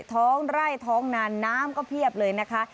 ท้องไร่ท้องนานน้ำก็เพียบเลยนะคะ